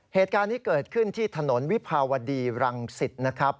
เหตุการณ์นี้เกิดขึ้นที่ถนนวิภาวดีรังสิตนะครับ